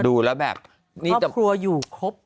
ดูแล้วแบบมีแต่ครัวอยู่ครบ